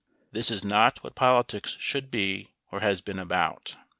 31 This is not what politics should be or has been about.